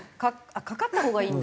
かかったほうがいいんだ？